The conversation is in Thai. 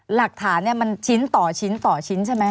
หลักฐานมันชิ้นต่อชิ้นต่อชิ้นใช่ไหม